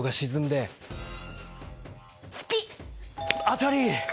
当たり！